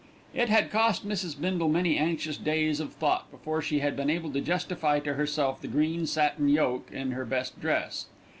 It had cost Mrs. Bindle many anxious days of thought before she had been able to justify to herself the green satin yoke in her best dress.